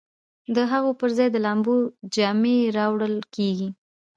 د هغو پر ځای د لامبو جامې راوړل کیږي